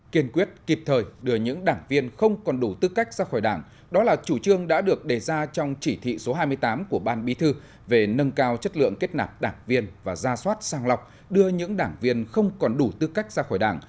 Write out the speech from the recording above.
kiên quyết kịp thời đưa những đảng viên không còn đủ tư cách ra khỏi đảng đó là chủ trương đã được đề ra trong chỉ thị số hai mươi tám của ban bí thư về nâng cao chất lượng kết nạp đảng viên và ra soát sang lọc đưa những đảng viên không còn đủ tư cách ra khỏi đảng